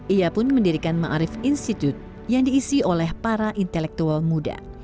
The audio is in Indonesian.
ia pun mendirikan ma'arif institute yang diisi oleh para intelektual muda